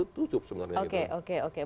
itu cukup sebenarnya